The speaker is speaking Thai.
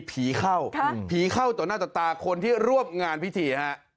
ผีเข้าผีเข้าต่อหน้าต่อตาคนที่ร่วมงานพิธีฮะ